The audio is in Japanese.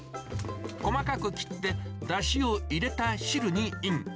細かく切って、だしを入れた汁にイン。